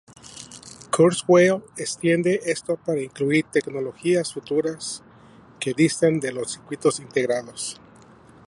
Kurzweil extiende esto para incluir tecnologías futuras que distan de los circuitos integrados.